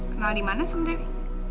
kenal di mana sung dewi